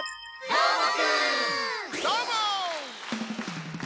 どーも！